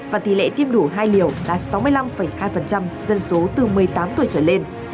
và tỷ lệ tiêm đủ hai liều đạt sáu mươi năm hai dân số từ một mươi tám tuổi trở lên